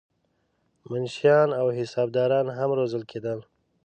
منشیان او حسابداران هم روزل کېدل.